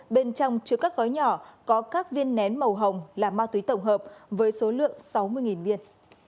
bên trong chứa các gói nhỏ có các viên nén màu hồng là ma túy tổng hợp với số lượng sáu mươi viên